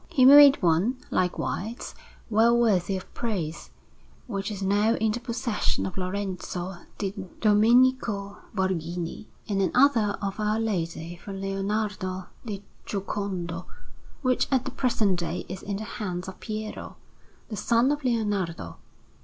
He made one, likewise well worthy of praise, which is now in the possession of Lorenzo di Domenico Borghini, and another of Our Lady for Leonardo del Giocondo, which at the present day is in the hands of Piero, the son of Leonardo.